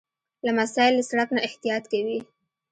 لمسی له سړک نه احتیاط کوي.